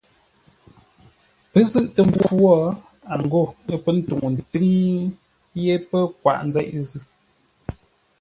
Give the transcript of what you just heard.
Pə́ zʉ̂ʼtə mpfu wo, a ghô: ə̰ pə́ ntúŋu ntʉ́ŋ yé pə́ kwaʼ nzeʼ zʉ́.